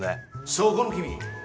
そこの君